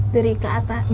dari ke atas